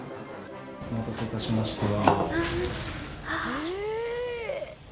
お待たせ致しました。